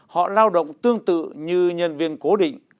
họ lao động tương tự như nhân viên cố định